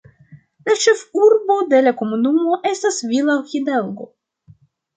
La ĉefurbo de la komunumo estas Villa Hidalgo.